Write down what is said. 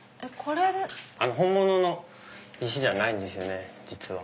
本物の石じゃないんですよ実は。